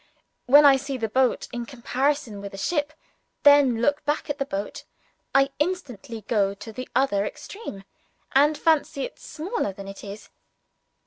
When I see the boat in comparison with a ship, and then look back at the boat, I instantly go to the other extreme, and fancy it smaller than it is.